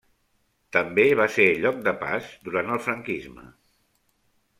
També va ser lloc de pas durant el franquisme.